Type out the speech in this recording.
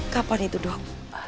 kapan itu dok